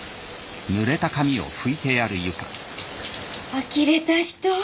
あきれた人！